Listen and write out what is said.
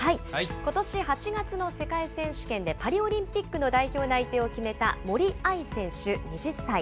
ことし８月の世界選手権でパリオリンピックの代表内定を決めた森秋彩選手２０歳。